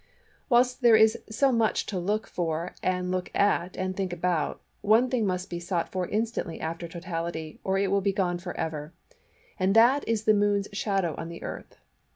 Whilst there is so much to look for and look at and think about, one thing must be sought for instantly after totality, or it will be gone for ever, and that is the Moon's shadow on the Earth.